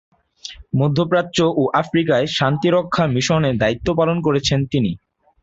মধ্যপ্রাচ্য ও আফ্রিকায় শান্তিরক্ষা মিশনে দায়িত্ব পালন করেছেন তিনি।